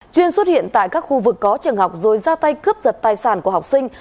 chuyên xuất hiện tại các khu vực có trường học rồi ra tay cướp giật tài sản của học sinh